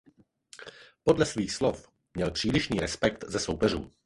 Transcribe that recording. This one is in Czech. Podle svých slov měl přílišný respekt ze soupeřů.